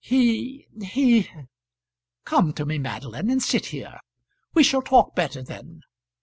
"He he " "Come to me, Madeline, and sit here. We shall talk better then."